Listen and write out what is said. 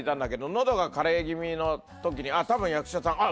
のどがかれ気味の時に多分役者さんあっ